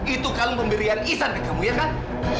itu kalung pemberian isan bagi kamu ya kan